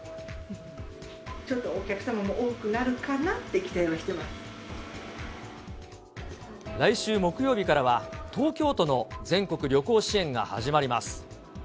ちょっとお客様も多くなるか来週木曜日からは、東京都の全国旅行支援が始まります。